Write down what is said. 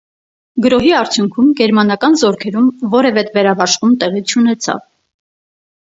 Գրոհի արդյունքում գերմանական զորքերում որևէ վերաբաշխում տեղի չունեցավ։